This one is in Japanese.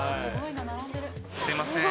すみません。